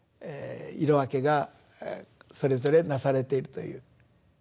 色分けがそれぞれなされているという。